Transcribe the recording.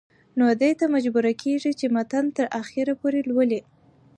نو دې ته مجبوره کيږي چې متن تر اخره پورې لولي